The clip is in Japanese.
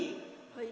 はい。